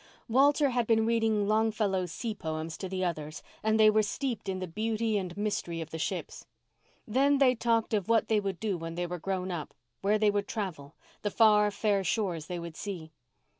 Walter had been reading Longfellow's sea poems to the others and they were steeped in the beauty and mystery of the ships. Then they talked of what they would do when they were grown up—where they would travel—the far, fair shores they would see.